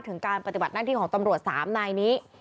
ถึงการปฏิบัตินั่นที่ของตำรวจสามในนี้